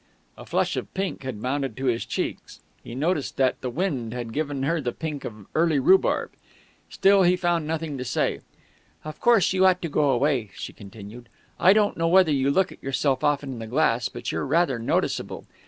A flush of pink had mounted to his cheeks. He noticed that the wind had given her the pink of early rhubarb. Still he found nothing to say. "Of course, you ought to go away," she continued. "I don't know whether you look at yourself often in the glass, but you're rather noticeable.